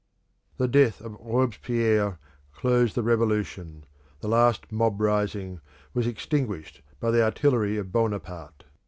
The death of Robespierre closed the Revolution; the last mob rising was extinguished by the artillery of Bonaparte.